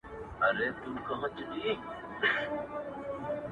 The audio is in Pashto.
• په غومبر یې وه سینه را پړسولې -